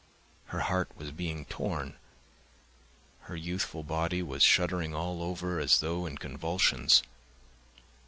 Her heart was being torn. Her youthful body was shuddering all over as though in convulsions.